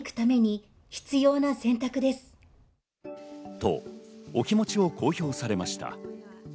と、お気持ちを公表されました。